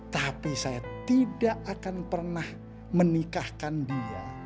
tapi saya tidak akan pernah menikahkan dia